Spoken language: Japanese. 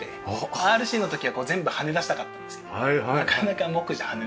ＲＣの時は全部はね出したかったんですけどなかなか木じゃはね出せない。